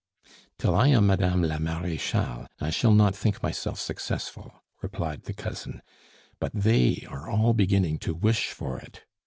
"Till I am Madame la Marechale I shall not think myself successful," replied the cousin; "but they are all beginning to wish for it.